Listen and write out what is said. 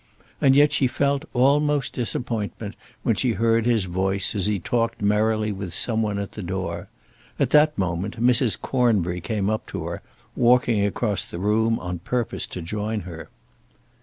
And yet she felt almost disappointment when she heard his voice as he talked merrily with some one at the door. At that moment Mrs. Cornbury came up to her, walking across the room on purpose to join her.